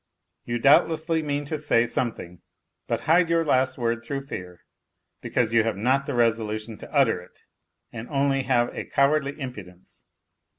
You doubtlessly mean to say some thing, but hide your last word through fear, because you have not the resolution to utter it, and only have a cowardly impudence.